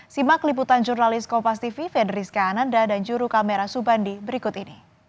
simak liputan jurnalis kopas tv fed rizka ananda dan juru kamera subandi berikut ini